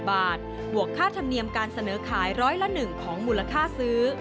บาทบวกค่าธรรมเนียมการเสนอขายร้อยละ๑ของมูลค่าซื้อ